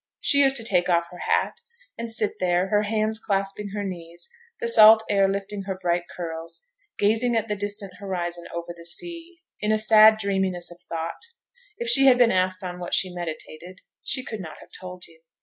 She used to take off her hat, and sit there, her hands clasping her knees, the salt air lifting her bright curls, gazing at the distant horizon over the sea, in a sad dreaminess of thought; if she had been asked on what she meditated, she could not have told you.